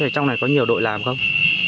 trong này có nhiều đội làm không